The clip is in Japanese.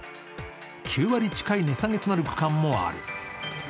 ９割近い値下げとなる区間もある。